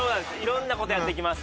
色んなことやっていきます